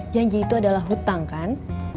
janji itu adalah hutang kan